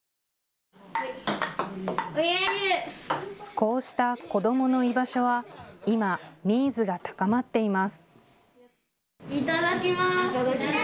こうした子どもの居場所は今、ニーズが高まっています。